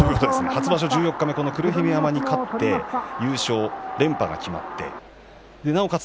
初場所十四日目黒姫山に勝って優勝連覇が決まってなおかつ